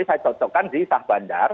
saya cocokkan di sah bandar